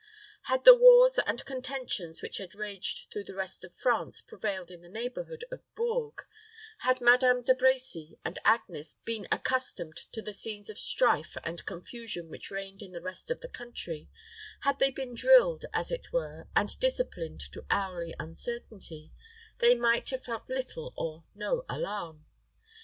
Had the wars and contentions which had raged through the rest of France prevailed in the neighborhood of Bourges had Madame da Brecy and Agnes been accustomed to the scenes of strife and confusion which reigned in the rest of the country had they been drilled, as it were, and disciplined to hourly uncertainty, they might have felt little or no alarm.